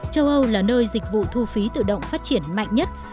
châu âu là nơi dịch vụ thu phí tự động phát triển mạnh nhất